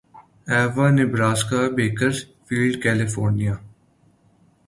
اوہہا Nebraska Bakersfield California